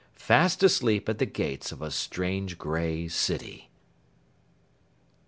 Fast asleep at the gates of a strange gray city!